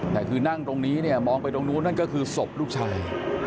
แต่คือนั่งตรงนี้เนี่ยมองไปตรงนู้นนั่นก็คือศพลูกชาย